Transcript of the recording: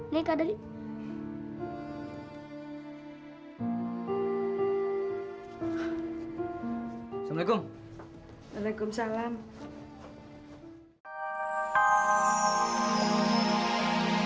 nih kak dodi